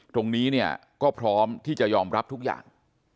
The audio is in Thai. ตรงนี้เนี่ยก็พร้อมที่จะยอมรับทุกอย่าง